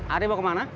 aduh lo kemana